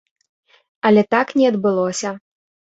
Але так не адбылося.